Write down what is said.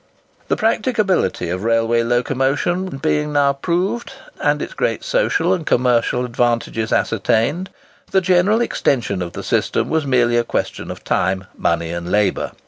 The practicability of railway locomotion being now proved, and its great social and commercial advantages ascertained, the general extension of the system was merely a question of time, money, and labour.